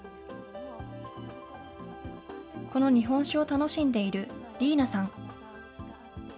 この日本酒を楽しんでいる理衣那さん。